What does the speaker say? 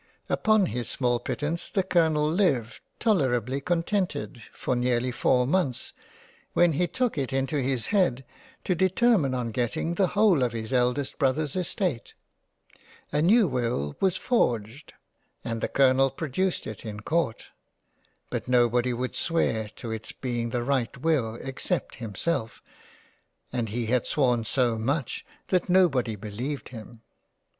Upon his small pittance the Colonel lived tolerably contented for nearly four months when he took it into his head to determine on getting the whole of his eldest Brother's Estate. A new will was forged and the Colonel produced it in Court — but nobody would swear to it's being the right will except him self, and he had sworn so much that Nobody beleived him.